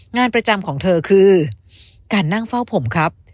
งานประจำของเธอคือการนั่งเฝ้าผมครับ